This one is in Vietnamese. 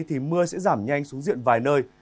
thì mưa sẽ giảm nhanh xuống diện vài nơi